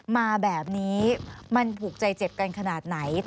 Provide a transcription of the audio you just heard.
มาแบบนี้มันผูกใจเจ็บกันขนาดไหน